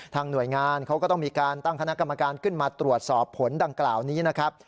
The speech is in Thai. หน่วยงานเขาก็ต้องมีการตั้งคณะกรรมการขึ้นมาตรวจสอบผลดังกล่าวนี้นะครับ